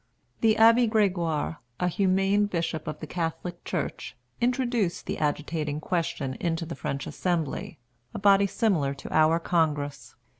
The Abbé Gregoire, a humane Bishop of the Catholic Church, introduced the agitating question into the French Assembly, a body similar to our Congress.